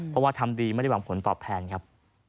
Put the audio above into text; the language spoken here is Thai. เพราะว่าทำดีไม่ได้หวังผลตอบแทนครับ